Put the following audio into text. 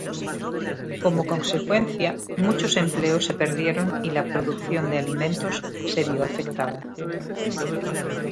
Como consecuencia, muchos empleos se perdieron y la producción de alimentos se vio afectada.